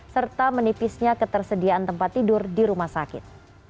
serta menipisnya ketersediaan tempat tidur di rumah sakit